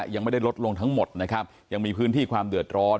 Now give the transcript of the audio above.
ยังไม่ได้ลดลงทั้งหมดนะครับยังมีพื้นที่ความเดือดร้อน